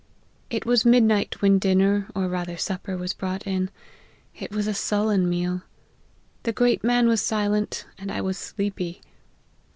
" It was midnight when dinner, or rather supper, was brought in : it was a sullen meal. The great man was silent, and I was sleepy.